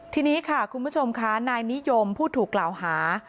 ทีนี้ค่ะคุณผู้ชมค่ะนายนิยมผู้ถูกกล่าวหา